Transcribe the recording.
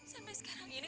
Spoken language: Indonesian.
sampai sekarang ini